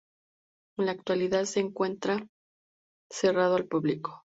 En la actualidad se encuentra cerrado al público.